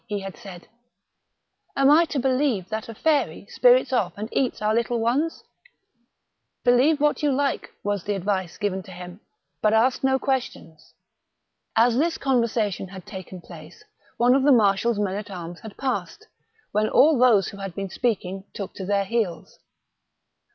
" he had said, " am I to believe that a fairy spirits oflf and eats our little ones ?''" Believe what you like, was the advice given to him; "but ask no questions.*' As this conversation had taken place, one of the marshal's men at arms had passed, when all those who had been speaking took to their heels.